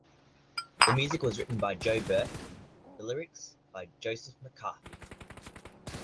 The music was written by Joe Burke, the lyrics by Joseph McCarthy.